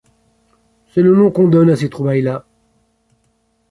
c’est le nom qu’on donne à ces trouvailles-là.